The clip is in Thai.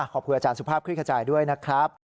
ขอบคุณอาจารย์สุภาพคลิกขจายด้วยนะครับ